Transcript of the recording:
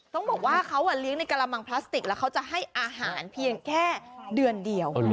ต้องบอกว่าเขาเลี้ยงในกระมังพลาสติกแล้วเขาจะให้อาหารเพียงแค่เดือนเดียว